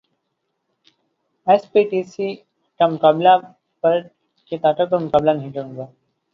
S P, D C کی طاقت پر مقابلہ نہیں کروں گا